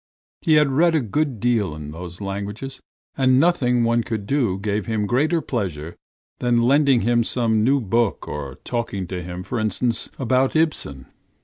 He had read a good deal in those languages, and nothing one could do gave him greater pleasure than lending him some new book or talking to him, for instance, about Ibsen.